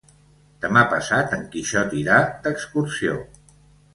Demà passat en Quixot irà d'excursió.